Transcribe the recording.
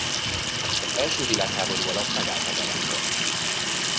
Az első világháború alatt megállt a bevándorlás.